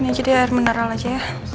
ini aja deh air mineral aja ya